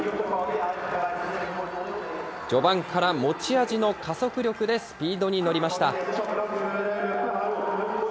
序盤から持ち味の加速力でスピードに乗りました。